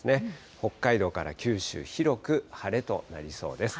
北海道から九州、広く晴れとなりそうです。